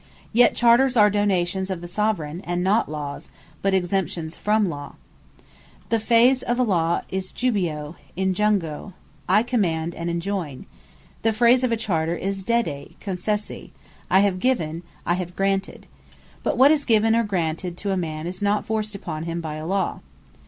Yet Charters are Donations of the Soveraign; and not Lawes, but exemptions from Law. The phrase of a Law is Jubeo, Injungo, I Command, and Enjoyn: the phrase of a Charter is Dedi, Concessi, I Have Given, I Have Granted: but what is given or granted, to a man, is not forced upon him, by a Law.